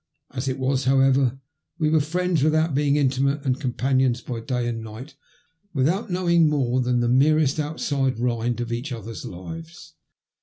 As it was, however, we were friends without being intimate, and companions by day and night without knowing more than the merest outside rind of each other's lives.